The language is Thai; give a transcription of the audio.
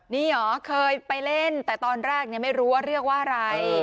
นี่เหรอเคยไปเล่นแต่ตอนแรกไม่รู้ว่าเรียกว่าอะไร